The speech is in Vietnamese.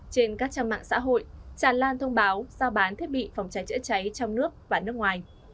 trên các trang mạng xã hội tràn lan thông báo giao bán thiết bị phòng cháy chữa cháy trong nước và nước ngoài